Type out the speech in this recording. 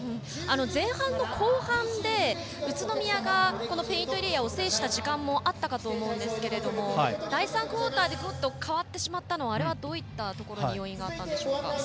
前半の後半で宇都宮がペイントエリアを制した時間もあったかと思うんですけど第３クオーターでぐっと変わってしまったのはどういったところに要因があったんでしょうか？